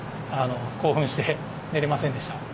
興奮して寝れませんでした。